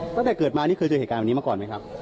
ตั้งแต่เกิดมานี่เคยเจอเหตุการณ์แบบนี้มาก่อนไหมครับ